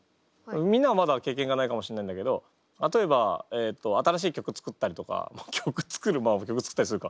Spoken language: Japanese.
みんなはまだ経験がないかもしれないんだけど例えば新しい曲作ったりとか曲作るまあ曲作ったりするか。